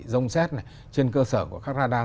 rông xét này trên cơ sở của các radar